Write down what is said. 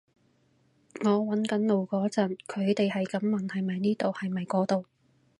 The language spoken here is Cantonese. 我搵緊路嗰陣，佢哋喺咁問係咪呢度係咪嗰度